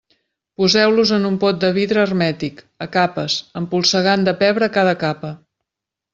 Poseu-los en un pot de vidre hermètic, a capes, empolsegant de pebre cada capa.